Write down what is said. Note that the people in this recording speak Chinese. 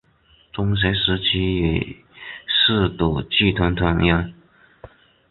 中学时期也是的剧团团员。